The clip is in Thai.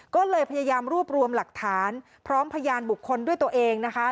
ก็เลยพยายามรวบรวมหลักฐานพร้อมพยานบุคคลด้วยตัวเองนะคะ